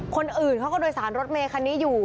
คนอื่นเขาก็โดยสารรถเมคันนี้อยู่